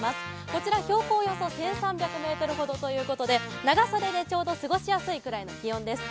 こちら標高およそ１３００ｍほどということで、長袖でちょうど過ごしやすいくらいの気温です。